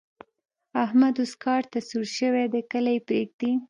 احمد اوس کار ته سور شوی دی؛ کله يې پرېږدي.